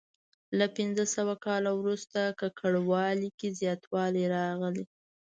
له پنځه سوه کال وروسته ککړوالي کې زیاتوالی راغلی.